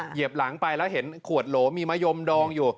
เหยียบหลังไปแล้วเห็นขวดโหลมีมะยมดองอยู่